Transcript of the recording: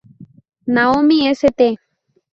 Naomi St.